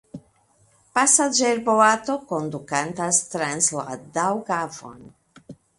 Pasaĝerboato kondukantas trans la Daŭgavon.